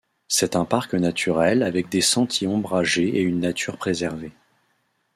C'est un parc naturel avec des sentiers ombragés et une nature préservée.